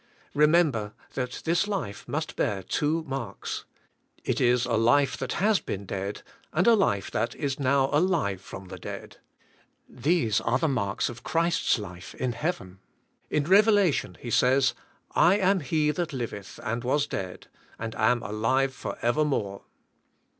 Remem ber that this life must bear two marks. It is a life that has been dead and a life that is now alive from the dead. These are the marks of Christ's life in heaven. In Revelation He says, "I am He that liveth and was dead, and am alive for evermore."